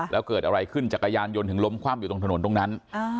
แล้วเกิดอะไรขึ้นจักรยานยนต์ถึงล้มคว่ำอยู่ตรงถนนตรงนั้น